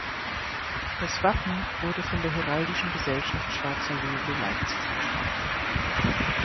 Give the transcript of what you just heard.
Das Wappen wurde von der Heraldischen Gesellschaft „Schwarzer Löwe“ Leipzig gestaltet.